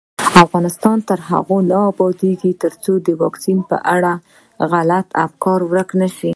افغانستان تر هغو نه ابادیږي، ترڅو د واکسین په اړه غلط افکار ورک نشي.